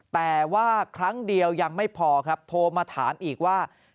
แต่ว่าครั้งเดียวยังไม่พอครับโทรมาถามอีกว่า